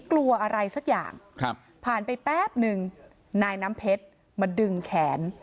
กลัวอะไรสักอย่างผ่านไปแป๊บนึงนายน้ำเพชรมาดึงแขน